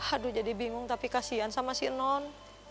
aduh jadi bingung tapi kasian sama si non